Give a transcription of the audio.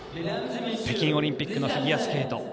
北京オリンピックのフィギュアスケート